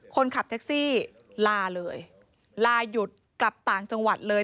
คนขับแท็กซี่ลาเลยลาหยุดกลับต่างจังหวัดเลย